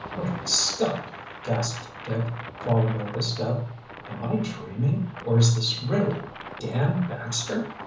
"Great Scott!" gasped Dick, falling back a step. "Am I dreaming or is this really Dan Baxter?"